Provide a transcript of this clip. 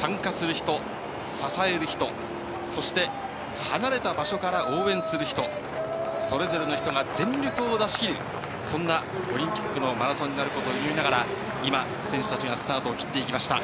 参加する人、支える人、そして、離れた場所から応援する人、それぞれの人が全力を出し切る、そんなオリンピックのマラソンになることを祈りながら、今、選手たちがスタートを切っていき